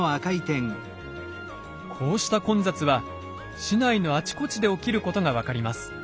こうした混雑は市内のあちこちで起きることが分かります。